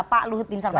pak luhut bin sarpanitan